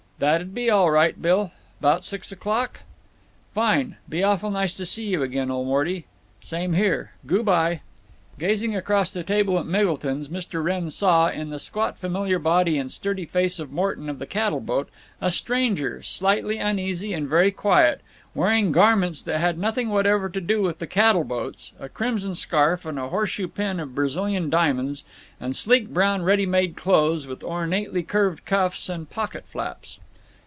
"That'll be all right, Bill. 'Bout six o'clock?" "Fine! Be awful nice to see you again, old Morty." "Same here. Goo' by." Gazing across the table at Miggleton's, Mr. Wrenn saw, in the squat familiar body and sturdy face of Morton of the cattle boat, a stranger, slightly uneasy and very quiet, wearing garments that had nothing whatever to do with the cattle boats—a crimson scarf with a horseshoe pin of "Brazilian diamonds," and sleek brown ready made clothes with ornately curved cuffs and pocket flaps.